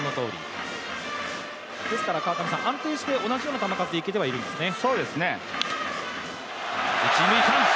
安定して同じような球数でいけているんですね。